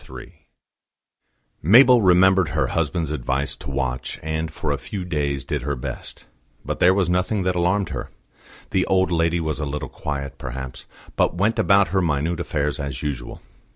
III Mabel remembered her husband's advice to watch, and for a few days did her best. But there was nothing that alarmed her. The old lady was a little quiet, perhaps, but went about her minute affairs as usual.